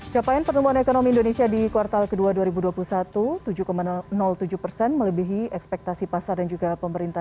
capaian pertumbuhan ekonomi indonesia di kuartal ke dua dua ribu dua puluh satu tujuh tujuh persen melebihi ekspektasi pasar dan juga pemerintah